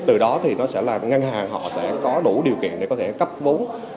từ đó thì ngân hàng họ sẽ có đủ điều kiện để có thể cấp vốn